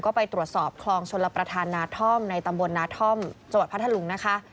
ก็ไปตรวจสอบคลองชลประธานนาท่อมในตำบลนาท่อมจังหวัดพัทธลุงนะคะ